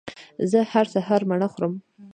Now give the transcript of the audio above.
زه هر سهار مڼه خورم